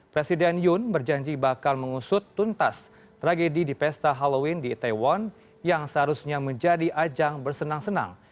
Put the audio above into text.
presiden yun berjanji bakal mengusut tuntas tragedi di pesta halloween di itaewon yang seharusnya menjadi ajang bersenang senang